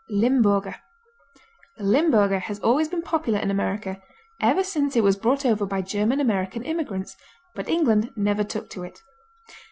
Limburger Limburger has always been popular in America, ever since it was brought over by German American immigrants; but England never took to it.